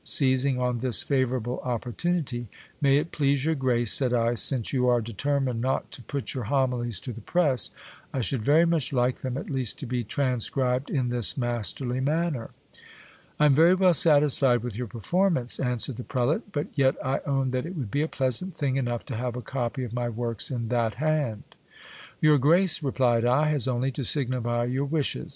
Seizing on this favourable op portunity, May it please your grace, said I, since you are determined not to put your homilies to the press, I should very much like them at least to be tran scribed in this masterly manner. I am very well satisfied with your performance, answered the prelate, but yet I own that it would be a pleasant thing enough to have a copy of my works in that hand. Your grace, replied I, has only to signify your wishes.